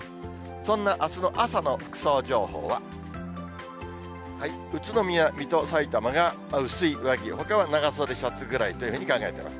そんなあすの朝の服装情報は、宇都宮、水戸、さいたまが薄い上着、ほかは長袖シャツぐらいというふうに考えてます。